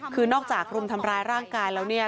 คือนอกจากรุมทำร้ายร่างกายแล้วเนี่ย